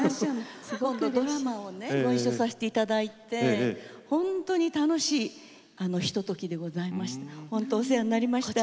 ドラマでごいっしょさせていただいて本当に楽しいひとときでございました。